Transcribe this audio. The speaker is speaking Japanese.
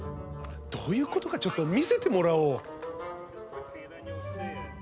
どういうことかちょっと見せてもらおう。